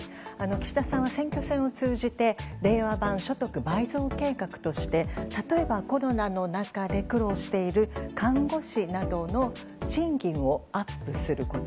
岸田さんは選挙戦を通じて令和版所得倍増計画として例えばコロナの中で苦労している看護師などの賃金をアップすること。